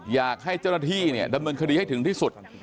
อยากให้เจ้าหน้าที่เนี่ยดำเนินคดีให้ถึงที่สุด